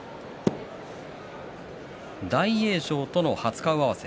大栄翔との初顔合わせ。